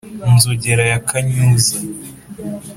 Nzogera ya Kanyuza